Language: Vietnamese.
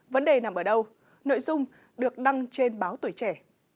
vấn đề nằm ở đâu nội dung được đăng trên báo tuổi trẻ